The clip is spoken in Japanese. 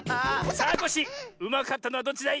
さあコッシーうまかったのはどっちだい？